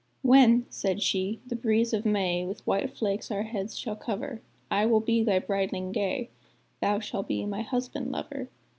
"When," said she, "the breeze of May With white flakes our heads shall cover, I will be thy brideling gay Thou shall be my husband lover."